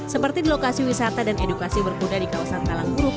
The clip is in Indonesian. seperti di lokasi wisata dan edukasi berkuda di kawasan talang buruk